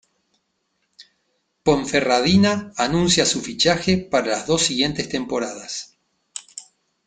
Ponferradina anuncia su fichaje para las dos siguientes temporadas.